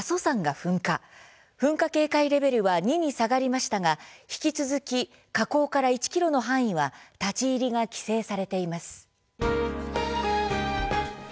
噴火警戒レベルは２に下がりましたが引き続き火口から１ｋｍの範囲は立ち入りが規制されています。